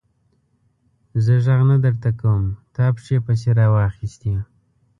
زه ږغ نه درته کوم؛ تا پښې پسې را واخيستې.